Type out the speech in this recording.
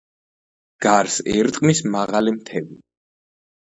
გარს ერტყმის მაღალი მთები.